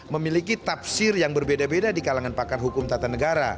memiliki tafsir yang berbeda beda di kalangan pakar hukum tata negara